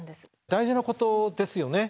大事なことですよね。